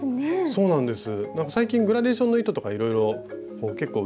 そうなんです